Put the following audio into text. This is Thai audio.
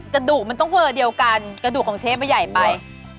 กระดูกมันต้องเวอเดียวกันกระดูกของเชฟมันใหญ่ไป